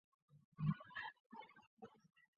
火鸡肉大多都经过食品加工。